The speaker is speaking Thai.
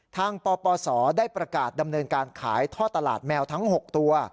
ปปศได้ประกาศดำเนินการขายท่อตลาดแมวทั้ง๖ตัว